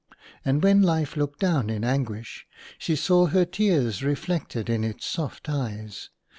And when Life looked down in anguish, she saw her tears reflected in its soft eyes.